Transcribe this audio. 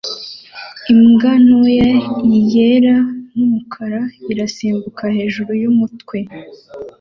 Imbwa ntoya yera numukara irasimbuka hejuru yumutwe